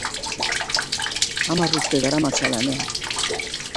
Hamar urte daramatza lanean.